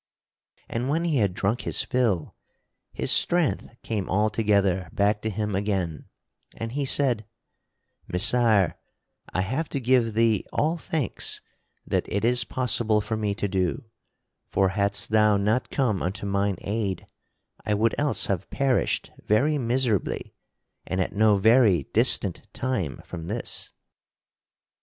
And when he had drunk his fill, his strength came altogether back to him again, and he said: "Messire, I have to give thee all thanks that it is possible for me to do, for hadst thou not come unto mine aid, I would else have perished very miserably and at no very distant time from this."